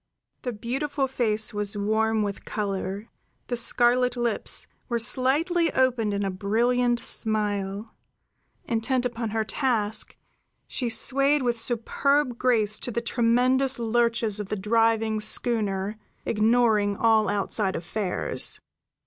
The beautiful face was warm with color; the scarlet lips were slightly opened in a brilliant smile; intent upon her task, she swayed with superb grace to the tremendous lurches of the driving schooner, ignoring all outside affairs.